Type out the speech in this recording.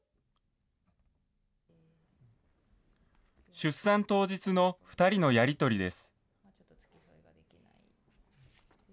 出産当日の２人のやり取りです。